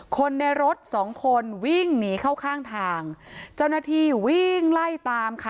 คนในรถสองคนวิ่งหนีเข้าข้างทางเจ้าหน้าที่วิ่งไล่ตามค่ะ